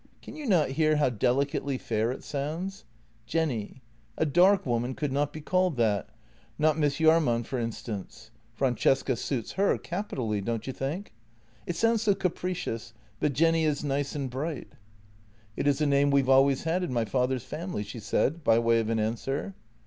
Can you not hear how delicately fair it sounds? — Jenny — a dark woman could not be called that, not Miss Jahrman, for instance. Francesca suits her captially, don't you think? It sounds so capricious, but Jenny is nice and bright." " It is a name we've always had in my father's family," she said, by way of an answer.